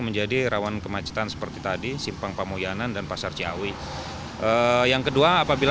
menjadi rawan kemacetan seperti tadi simpang pamujanan dan pasar ciawi yang kedua apabila